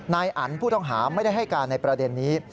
นายอันผู้ต้องหาไม่ได้ให้การในประเด็นนี้